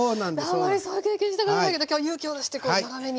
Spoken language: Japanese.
あまりそういう経験したことないけど今日は勇気を出して長めに。